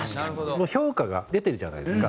もう評価が出てるじゃないですか。